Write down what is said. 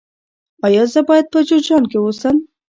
ایا زه باید په جوزجان کې اوسم؟